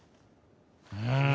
うん。